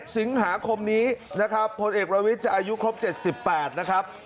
๑๑สิงหาคมนี้พลเอกวิทย์จะอายุครบ๗๘